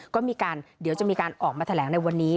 ก็มีการเดี๋ยวจะมีการออกมาแถลงในวันนี้